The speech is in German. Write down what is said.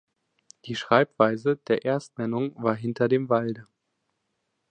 Die Schreibweise der Erstnennung war "hinter dem Walde".